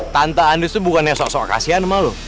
tante andries tuh bukannya soal soal kasihan sama lo